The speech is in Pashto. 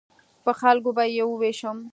په خلکو به یې ووېشم.